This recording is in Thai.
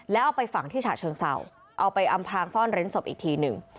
แล้วเอาไปฝังที่ฉะเชิงเศร้าเอาไปอำพลางซ่อนเร้นศพอีกทีหนึ่ง